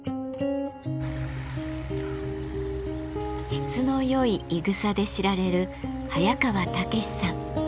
質の良いいぐさで知られる早川猛さん。